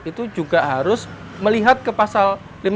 itu juga harus melihat ke pasal lima puluh